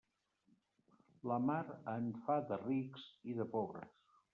La mar en fa de rics i de pobres.